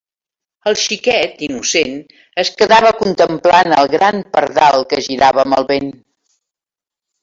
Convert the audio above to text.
El xiquet, innocent, es quedava contemplant el gran pardal que girava amb el vent.